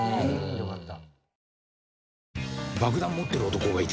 よかった。